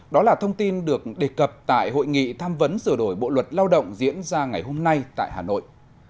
đó là thông tin được đề cập tại hội nghị tham vấn sửa đổi bộ luật lao động diễn ra ngày hôm nay tại hà nội